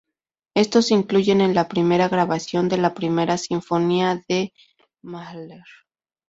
Estos incluyen el la primera grabación de la "Primera sinfonía" de Mahler.